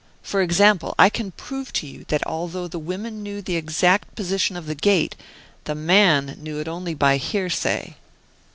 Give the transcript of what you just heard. For example, I can prove to you that although the women knew the exact position of the gate, the man knew it only by hearsay."